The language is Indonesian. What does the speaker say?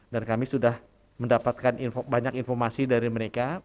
dan kami sudah mendapatkan banyak informasi dari mereka